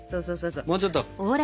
もうちょっとこう。